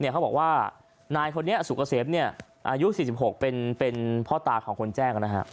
เขาบอกว่านายคนนี้สุกเกษมอายุ๔๖เป็นพ่อตาของคนแจ้ง